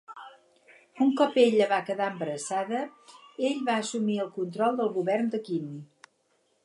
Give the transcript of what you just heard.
Un cop ella va quedar embarassada, ell va assumir el control del govern de Qin.